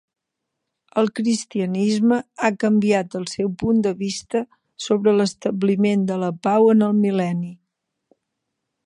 El cristianisme ha canviat el seu punt de vista sobre l'establiment de la pau en el mil·lenni.